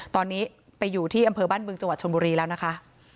ตอนนี้ไปอยู่ที่อำเภอบ้านบึงจังหวัดชนบุรีแล้วนะคะ